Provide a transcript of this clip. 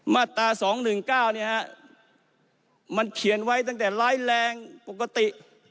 มาตรา๒๑๙เนี่ยครับมันเขียนไว้ตั้งแต่ไร้แรงปกติ